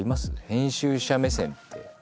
編集者目線って。